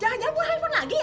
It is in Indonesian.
jangan jambu handphone lagi ya